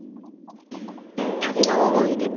旅の思い出。